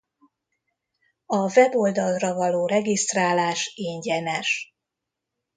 A weboldalra való regisztrálás ingyenes.